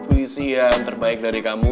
puisi yang terbaik dari kamu